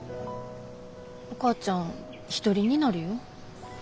お母ちゃんひとりになるよ？